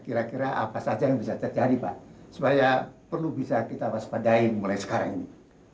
kira kira apa saja yang bisa terjadi pak supaya perlu bisa kita waspadai mulai sekarang ini